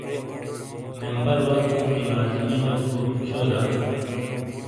ممبرواتُوں تو لازمی ڈوک بو، شو دا؟